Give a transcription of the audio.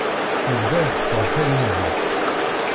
Yebda iḥeffeḍ tagnizit.